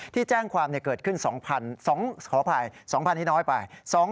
ที่แจ้งความเกิดขึ้นขออภัย๒๐๐ที่น้อยไป